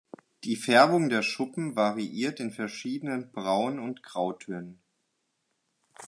Die Färbung der Schuppen variiert in verschiedenen Braun- und Grautönen.